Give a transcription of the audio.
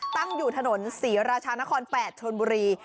ตั้งอยู่ถนนศรีราชานคร๘ชนบุรี